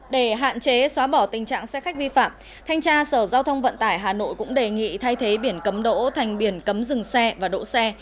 để hạn chế xóa bỏ tình trạng xe khách vi phạm thanh tra sở giao thông vận tải hà nội cũng đề nghị thay thế biển cấm đỗ thành biển cấm dừng xe và đỗ xe